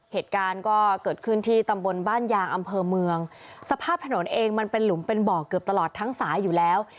เหตุการณ์ก็เกิดขึ้นที่ตำบลบ้านยางอำเภอเมืองสภาพถนนเองมันเป็นหลุมเป็นบ่อเกือบตลอดทั้งสายอยู่แล้ว